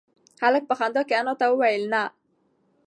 هلک په خندا کې انا ته وویل نه.